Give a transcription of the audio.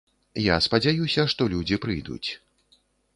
Я спадзяюся, што людзі прыйдуць.